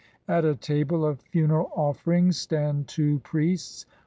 At a table of funeral offerings stand two priests.